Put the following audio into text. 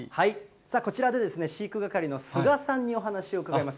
さあ、こちらで、飼育係の須賀さんにお話を伺います。